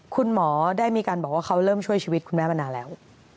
คุณหมอได้มีการบอกว่าเขาเริ่มช่วยชีวิตคุณแม่มานานแล้ว